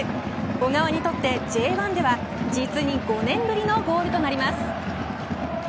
小川にとってＪ１では実に５年ぶりのゴールとなります。